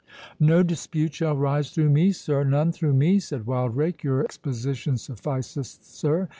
"No dispute shall rise through me, sir—none through me," said Wildrake; "your exposition sufficeth, sir.